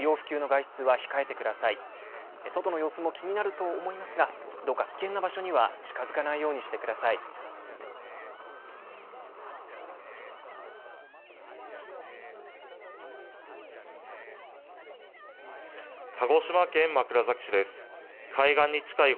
外の様子も気になると思いますが、どうか危険な場所には近づかないようにしてください。